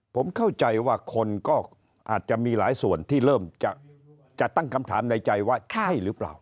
ผมเข้าใจว่าคนก็อาจจะมีหลายส่วนที่เริ่มจะตั้งคำถามในใจว่าใช่หรือเปล่า